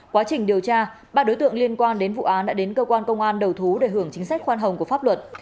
quá trình điều tra ba đối tượng liên quan đến vụ án đã đến cơ quan công an đầu thú để hưởng chính sách khoan hồng của pháp luật